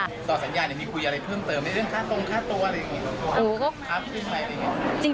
ต่อสัญญาณที่มีคุยอะไรเพิ่มเติมเพื้องเติมเรื่องค่าตรวจอะไรเรียก